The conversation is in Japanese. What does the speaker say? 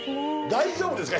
大丈夫ですか？